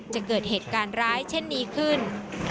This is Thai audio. จะเกิดเหตุการณ์ร้ายเช่นนี้ขึ้น